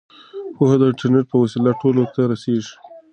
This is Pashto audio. پوهه د انټرنیټ په وسیله ټولو ته رسیږي.